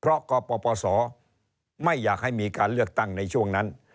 เพราะกปศไม่อยากให้มีการเลือกตั้งในช่วงนั้น